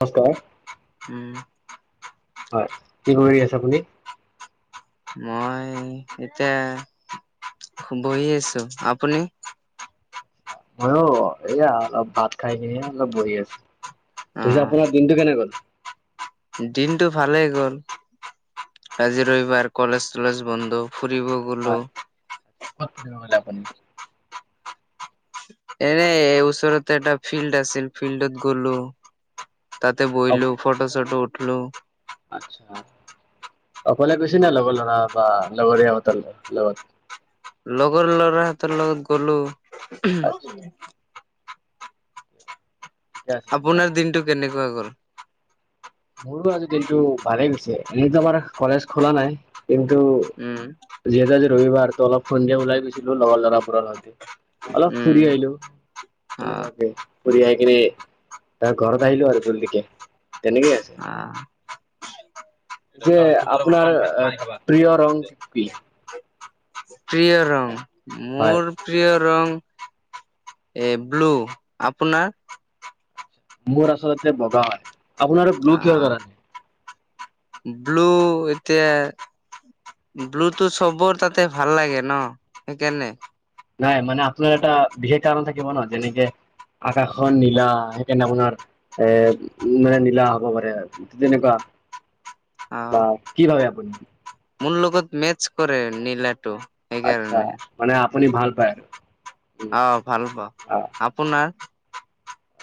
নমস্কাৰ উম হয় কি কৰি আছে আপুনি। মই এতিয়া বহি আছোঁ আপুনি। মইও এয়া অলপ ভাত খাই কিনে অলপ বহি আছোঁ। অ পিছে আপোনাৰ দিনটো কেনে গ'ল। দিনটো ভালে গ'ল আজি ৰবিবাৰ কলেজ তলেজ বন্ধ। ফুৰিব গ'লো। হয় ক'ত ফুৰিব গ'লে আপুনি। এনে এই ওচৰতে এটা ফিল্ড আছিল ফিল্ডত গ'লো। তাতে বহিলোঁ ফটো-চটো উঠিলো। আচ্ছা। অকলে গৈছে নে লগৰ ল'ৰা বা লগৰীয়াহঁতৰ লগত। লগৰ লৰাহঁতৰ লগত গ'লো। আচ্ছা ঠিকে আছে তেনেহ'লে। আপোনাৰ দিনটো কেনেকুৱা গ'ল। মোৰো আজি দিনটো ভালেই গৈছে এনে তোমাৰ। কলেজ খোলা নাই কিন্তু উম যিহেতু আজি ৰবিবাৰ। অল সন্ধা ওলাই গৈছিলো লগৰ ল'ৰা। অলপ ফুৰি উম আহিলোঁ অ তেনেুৱাকে ফুৰি আহি। এনে তাৰ ঘৰত আহিলো আৰু জলদিকে তেনেকেই আছে। অ যে আপোনাৰ প্ৰিয় ৰং কি। প্ৰিয় ৰং হয় মোৰ প্ৰিয়। ৰং এ ব্লু আপোনাৰ। মোৰ আচলতে বগা হয় আপোনাৰ ব্লু কিহৰ আহ কাৰণে। ব্লু এতিয়া। ব্লুটো চবৰ তাতে ভাল লাগে নহ সেইকাৰণে। নাই মানে আপোনাৰ এটা বিশেষ কাৰণ থাকিব নহ যেনেকে। আকাশখন নীলা সেইকাৰণে আপোনাৰ। এ মানে নীলা হ'ব পাৰে তেনেকুৱা। অ বা কি ভাবে আপুনি। মোৰ লগত মেচ কৰে নীলাটো। আচ্ছা সেইকাৰণে মানে আপুনি ভাল পায় আৰু। উম, অ ভাল পাওঁ আ- আপোনাৰ।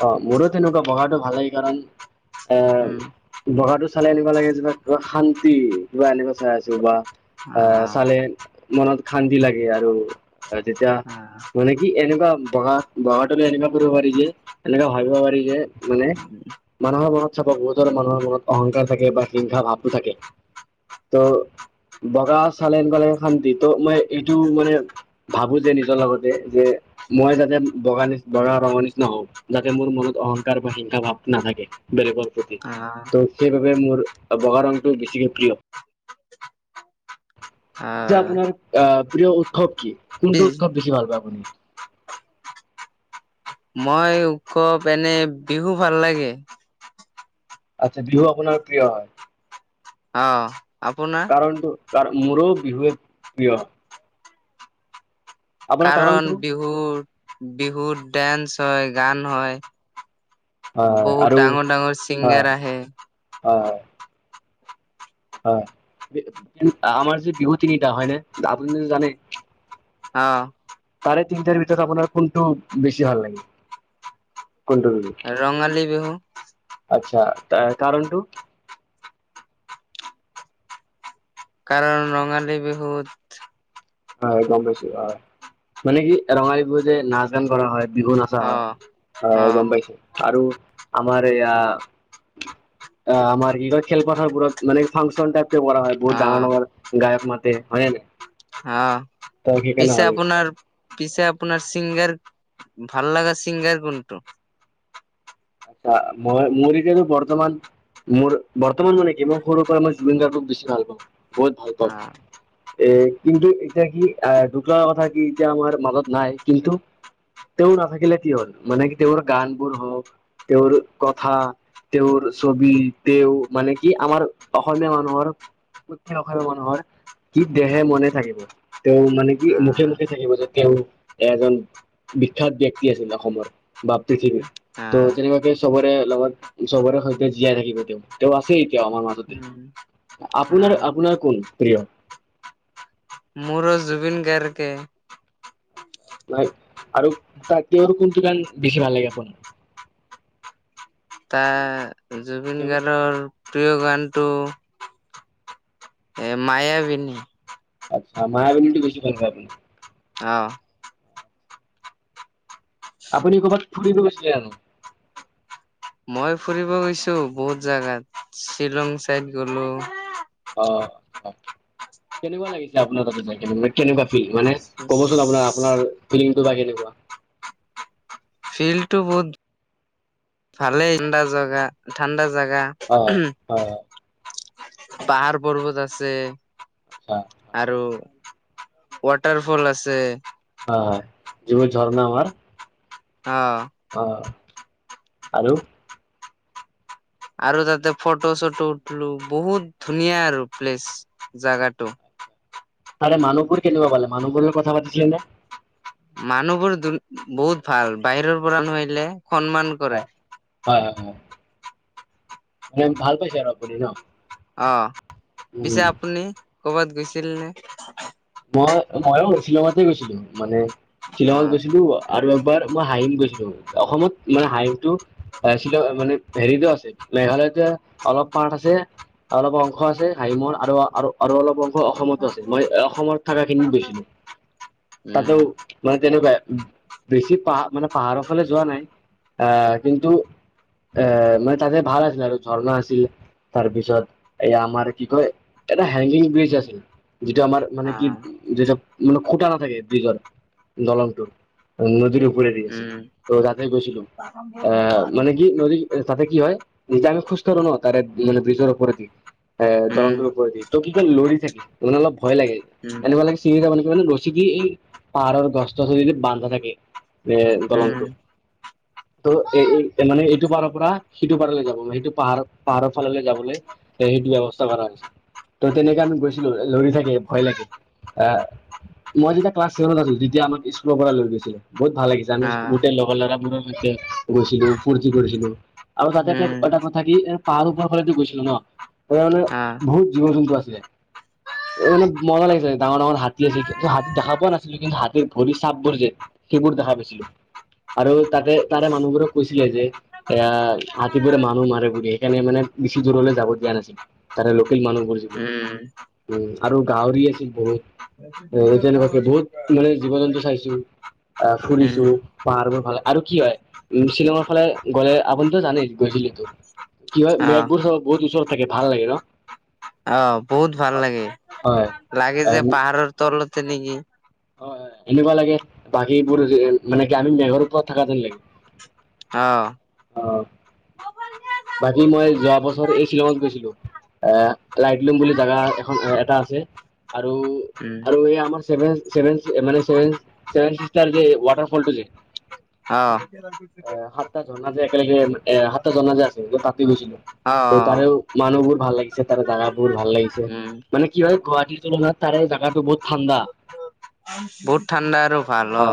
অ মোৰো তেনেকুৱা বগাটো ভাল লাগে কাৰণ এ উম বগাটো। চালে এনেকুৱা লাগে যেন কিবা শান্তি কিবা এনেকুৱা চাই আছোঁ বা আহ চালে। মনত শান্তি লাগে আৰু তেতিয়া আহ মানে কি এনেকুৱা। বগা বগাটো এনেকুৱা কৰিব পাৰি যে এনেকুৱা ভাবিব পাৰি যে মানে মানুহৰ মনত। চাব বহুতৰ মানুহৰ মনত অহংকাৰ থাকে বা হিংসা ভাৱটো থাকে ত'। বগা চালে [unintelligible] শান্তিটো মই এইটো মানে। ভাবো যে নিজৰ লগতে যে মই যাতে বগা নিচ বগা ৰঙৰ নিচিনা হওঁ। যাতে মোৰ মনত অহংকাৰ বা হিংসা ভাৱ নাথাকে বেলেগৰ। প্ৰতি আ। [unintelligible] মোৰ বগা ৰংটো বেছিকৈ প্ৰিয়। পিছে আহ আপোনাৰ আহ প্ৰিয় উৎসৱ কি পি কোনটো উৎসৱ বেছি ভাল পায় আপুনি মই কপ এনে বিহু ভাল লাগে আচ্ছা বিহু আপোনাৰ প্ৰিয় হয় অ আপোনাৰ কাৰণ কাৰ মোৰো বিহুৱে প্ৰিয় আপোনাৰ কাৰণ কাৰণটো বিহু বিহুত ডেন্স হয় গান হয় হয় বহুত আৰু ডাঙৰ ডাঙৰ হয় ছিংগাৰ আহে হয় হয় আমাৰ যে বিভতি নিটা হয় ন আপুনি যদি জানে অ তাৰে তিনিটাৰ ভিতৰত আপোনাৰ কোনটো বেছি ভাল লাগে ৰঙালী বিহু আচ্ছা এ কাৰণটো কাৰণ ৰঙালী বিহুত হয় গম পাইছো হয় মানে কি ৰঙালী বিহু যে নাচ গান কৰা হয় বিহু নাচা অ হয় অ হয় গম পাইছো আৰু আমাৰ এয়া অ আমাৰ কি কয় খেলপথাৰবোৰত মানে ফাংচন টাইপ কৰা হয় বহুত ডাঙৰ অ ডাঙৰ গায়ক মাতে হয়নে অ পিছে আপোনাৰ পিছে আপোনাৰ চিংগাৰ ভাল লাগা চিংগাৰ কোনটো আচ্ছা ম মৰিতো বৰ্তমান মোৰ বৰ্তমান মানে কি মই সৰুৰ পৰা মই জুবিন গাৰ্গটোক বেছি ভাল পাওঁ বহুত ভাল অ পাওঁ এ কিন্তু এতিয়া কি আহ ঢুক কথা কি এতিয়া আমাৰ মাজত নাই কিন্তু তেওঁ নাথাকিলে কি হল মানে কি তেওঁৰ গানবোৰ হওক তেওঁৰ কথা তেওঁৰ ছবি তেওঁ মানে কি আমাৰ অসমীয়া মানুহৰ প্ৰত্যেক অসম অসমীয়া মানুহৰ কি দেহে মনে থাকিব তেওঁ মানে কি অ মুখে মুখে থাকিব যে তেওঁ এজন বিখ্যাত ব্যক্তি আছিলে অসমৰ বা পৃথিৱীত অ ত তেনেকুৱাকে চবৰে লগত চবৰে সৈতে জীয়াই থাকিব তেওঁ তেওঁ আছে তেওঁ আমাৰ মাজতে উম অ আপোনাৰ আপোনাৰ কোন প্ৰিয় মোৰো জুবিন গাৰ কে নাই আৰু তাক কোন কোনটো গান বেছি ভাল লাগে আপোন তাত জুবিন গাৰ্গৰ প্ৰিয় গানটো এ, মায়াবিনী আচ্ছা, মায়াবিনীটো বেছি ভালপায় আপুনি? অহ। আপুনি ক'বাত ফুৰিব' গৈছিলে জানো? মই ফুৰিব গৈছো বহুত জাগাত, শ্বিলং চাইদ গলো অ, কেনেকুৱা লাগিছে আপোনাৰ তাতে যায়কেনে কেনেকুৱা? মানে ক'বচোন আপোনাৰ-আপোনাৰ ফিলিংটো বা কেনেকুৱা? ফিল টো বহুত ভালেই ঠাণ্ডা জাগা ঠাণ্ডাজ জাগা অ', হয়, পাহাৰ পৰ্বত আছে আচ্ছা হয়, আৰু ৱাটাৰ ফল আছে হয়, যিবোৰ ঝৰ্ণা আমাৰ অ, আহ, আৰু? আৰু তাতে ফটো চটো উঠিলো বহুত ধুনীয়া আৰু প্লেচ জাগাটো তাৰে মানুহবোৰ কেনেকুৱা পালে মানুহবোৰৰ লগত কথা পাতিছিলে নে? মানুহবোৰ বহুত ভাল বাহিৰৰ পৰা মানুহআহিলে সন্মান কৰে। হয়, হয়, হয়, হয়, মানে ভাল পাইছে আৰু আপুনি ন? অ, পিছে উম। আপুনি কৰ'বাত গৈছিল নে? মই ময়ো শ্বিলঙতে গৈছিলো মানে, অ শ্বিলঙত গৈছিলো আৰু এবাৰ মই হাহিম গৈছিলো অসমত মানে, হাহিমটো এ, শিল মানে হেৰিতো আছে মেঘালয়তে অলপ পাৰ্ট আছে অলপ অংশ আছে হাইমৰ আৰু আৰু আৰু অলপ অংশ অসমতো আছে, মই অসমৰ থাকাখিনি গৈছিলো তাতেও উম মানে তেনেকুৱা বেছি পাহ মানে পাহাৰৰ ফালে যোৱা নাই, এহ কিন্তু আহ, মানে তাতে ভাল আছিল আৰু ঝৰ্ণা আছিল তাৰপিছত এই, আমাৰ কি, কয় এটা হেংগিং ব্ৰিজ আছিল যিটো আমাৰ মানে অ কি যিটো মানে খুটা নাথাকে ব্ৰিজৰ দলংটোৰ নদীৰ ৰেদি গেছিলো উম ত, তাতে গৈছিলো আহ, মানে কি, নদী তাতে কি হয় যেতিয়া আমি খোজকাঢ়ো ন, তাৰে মানে ব্ৰিজৰ ওপৰেদি এ, উম দলংটোৰ ওপৰেদি ত, কি কয় লৰি থাকে মানে অলপ ভয় লাগে। উম এনেকুৱা লাগে চিঙিযাব নিকি মানে ৰছিদি এই পাহাৰৰ গছত বান্ধা থাকে এ, দলংটো উম ত, এ এই মানে এই সিটো পাৰৰ পৰা সিটো পাৰলৈ যাব সেইটো পাহাৰৰ-পাহাৰৰ ফাললৈ যাবলৈ সেইটো ব্যৱস্থা কৰা হৈছে। তো, তেনেকে আমি গৈছিলো লৰি থাকে ভয় লাগে। আহ, মই যেতিয়া ক্লাছ চছেভেনত আছো তেতিয়া আমাক স্কুলৰ পৰা লৈ গৈছিলে বহুত ভাল লাগিছে আমি অ গোটেই লগৰ লৰাবোৰৰ সৈতে গৈছিলো ফূৰ্তি কৰিছিলো আৰু তাতে এ, উম এটা কথা কি পাহাৰ ওৰ ফালত গৈছিলো ন, তাত মানে অ বহু জীৱ জন্তু আছ মানে মজা লাগিছে ডাঙৰ ডাঙৰ হাতী আছিল হাতী দেখা পোৱা নাছিলো কিন্তু হাতীৰ ভৰি চাপবোৰ যে সেইবোৰ দেখা পাইছিলো আৰু তাতে তাৰে মানুহবোৰক কৈছিলে যে এ, হাতীবোৰে মানুহ মাৰে বুলি সেইকাৰণে মানে বেছি দূৰলে যাব দিয়া নাছিল তাৰে ল লোকেল মানুহবোৰ যিবোৰ উম উম, আৰু গাহৰি আছিল বহুত এ, তেনেকুৱাকে বহুত মানে জীৱ জন্তু চাইছো আহ, ফুৰিছো উম পাহাৰ মোৰ ভাল আৰু কি, হম, ছিলংৰফালে গ'লে আপুনিতো জানেই গৈছিলোতো কি হয় অ মেঘবোৰ চব বহুত ওচৰত থাকে ভাল লাগে ন? অ, বহুত ভাল হয় লাগে-লাগে যে, পাহাৰৰ তলতে নেকি? অ, এনেকুৱা লাগে বাকীবোৰ মানে কি, আমি মেঘৰ ওপৰত থকা যেন লাগে। অ, অ বাকী মই যোৱা বছৰ এই শ্বিলঙত গৈছিলো এ লাইটলুম বুলি জোগা এখন এটা আছে আৰু উম আৰু এই আমাৰ চভেন ভেন মানেভেভেিক্াৰ যে ৱাটাৰ ফল টো যে অ আহ সাতটা ঝৰ্ণা যে একেলগে এ সাতটা জনা যে আছিল ত তাতে গৈছিলো অ ত তাৰেও মানুহ বোৰ ভাল লাগিছে তাৰে জাগা বহুত ভাল লাগিছে উম মানে কি হয় গুৱাহাটীৰ তুলনাত তাৰে জেগাতটো বহুত ঠাণ্ডা বহুত ঠাণ্ডা আৰু ভাল অ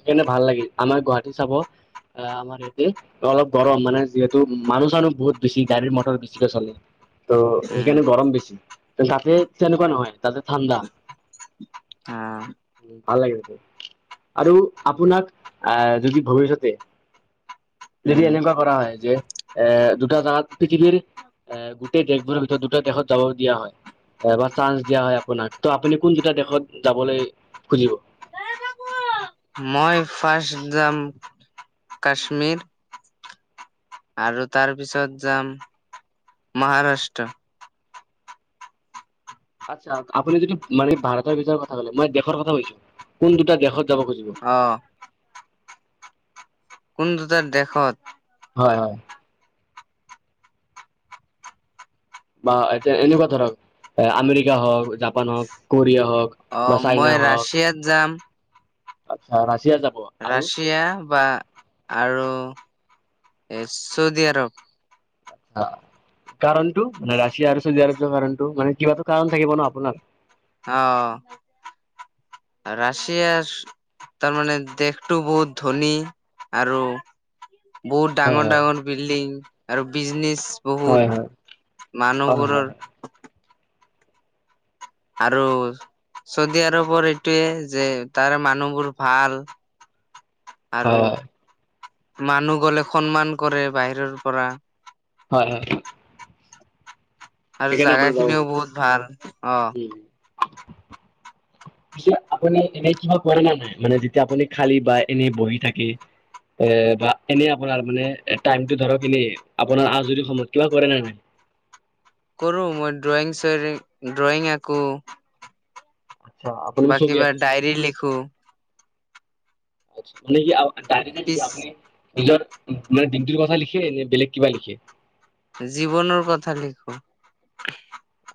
সেইকাৰনেে ভাল লাগিল আমাৰ গুৱাহাটী চাব আহ আমাৰ ইয়াতে অলপ গৰম মানে যিহেতু ত মানুহ চানুহ বহুত বছি গাড়ীৰ মটৰ বেছিকে চলে ত' উম সেইকাৰণে গৰম বেছি তাতে তেনেকুৱা নহয় তাতে ঠাণ্ডা ভাল লাগিছে তোৰ আৰু আপোনাক আহ যদি ভৱিষ্যতে যদি উম এনেকুৱা কৰা হয় যে এ দুটা জাগাত পৃথিৱীৰ এ গোটেই দেশবোৰৰ ভিতৰত দুটা দেশত যাব দিয়া হয় বা চান্স দিয়া হয় আপোনাক ত আপুনি কোনকেইটা দেশত যাবলৈ খুজিব [inaudible] মই ফাৰ্ষ্ট যাম কাশ্মীৰ আৰু তাৰ পিছত যাম মহাৰাষ্ট্ৰ। আচ্ছা আপুনি যদি মানে ভাৰতৰ ভিতৰ কথা কলে মই দেশৰ কথা কৈছো, কোন দুটা দেশত যাব খুজিব? অ কোন দুটা দেশত? হয় হয়। বা এতিয়া এনেকুৱা ধৰক, এ আমেৰিকা হওক, জাপান হওক, কোৰিয়া হওক। অ বা চাইনা মই হওক ৰাছিয়াত যাম। আচ্ছা ৰাছিয়া যা ৰাছিয়া বা আৰু চৌদি আৰব। অহ। কাৰণটো মানে ৰাছিয়া আৰু চৌদি আৰব যোৱা কাৰণটো মানে কিবাটো কাৰণ থাকিব ন আপোনাৰ। অহ ৰাছিয়া‌ চৌ। তাৰমানে দেশটো বহুত ধনী আৰু। বহুত হয় ডাঙৰ হয় ডাঙৰ বিল্ডিং আৰু বিজনেছ। হয় বহুত হয় হয় হয় মানুহবোৰৰ। আৰু। চৌদি আৰবৰ এইটোয়ে যে তাৰে মানুহবোৰ ভাল। হয় আৰু মানুহ গলে সন্মান কৰে বাহিৰৰ পৰা। হয় হয়। আৰু সেইকাৰণে জাগা আপোনাৰ যাব খিনিও খোজো বহুত ভাল অহ। পিছে আপুনি এনে কিবা কৰে নে নাই মানে যেতিয়া আপুনি খালী বা এনেই বহি থাকে। এ বা এনেই আপোনাৰ মানে টাইমটো ধৰক এনেই আপোনাৰ আজৰি সময়ত কিবা কৰে নে নাই। [unintelligible] কৰোঁ মই ড্ৰইং চৰিং ড্ৰইং আকোঁ। আচ্ছা, আপোনাৰ বা ছবি কিবা ডায়েৰী লিখোঁ। আচ্ছা মানে কি আপোনাৰ ডায়েৰী নিলিখে পিছ আপোনি। নিজৰ মানে দিনটোৰ কথা লিখে নে বেলেগ কিবা লিখে। জীৱনৰ কথা লিখোঁ।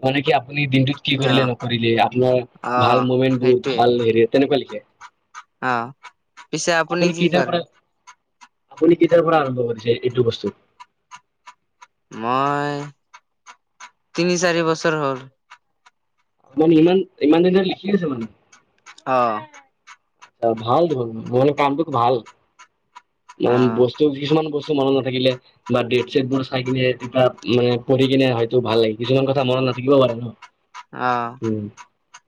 মানে কি আপুনি দিনটোত কি কৰিলে নকৰিলে আপোনাৰ অ ভাল মোমেন্ট বোৰ ভাল হেৰি তেনেকুৱা লিখে। অহ পিছে আপুনি কি কেইটাৰ কৰে। পৰা আপুনি কেতিয়াৰ পৰা আৰম্ভ কৰিছে এইটো বস্তু। মই তিনি, চাৰি বছৰ হ'ল। ইমান ইমান দিনে লিখি আছে মানে। অ'। আচ্ছা ভাল দিব মানে কামটোতো ভাল, মানে অ বস্তু কিছুমান বস্ মনত নাথাকিলে বা দেট ছেটবোৰ চাই কিনে, তেতিয়া মানে পঢ়ি কিনে হয়তো ভাল লাগে কিছুমান কথা মনত নাথকিব পাৰে ন'। অহ।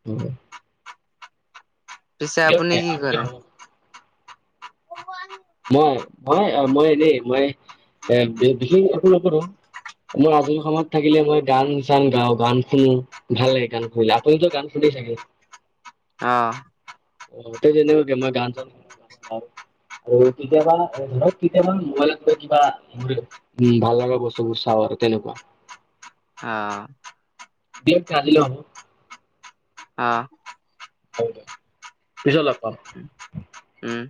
উম, পিছে [unintelligible] আপুনি দিয়ে কি আজিলৈ কৰে হ'ব। হয়, মই মই এনেই মই এ বি-বিশেষ একো নকৰোঁ। কিন্তু আজৰি সময়ত থাকিলে মই গান চান গাওঁ, গান শুনো, ভাল লাগে গান শুনিলে আপুনিতো গান শুনি চাগে। [inaudible] অহ। অ', য'তে যেনেবা মই গান চান শুনো আৰু। আৰু কেতিয়াবা ধৰক কেতিয়াবা মোবাইলতে কিবা মোৰ উম, ভাল লগা বস্তুবোৰ চাওঁ। মইটো তেনেকুৱা। হা। বি কালি ল অহ। পিছত লগ পাম। উম